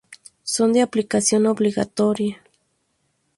Son de aplicación obligatoria.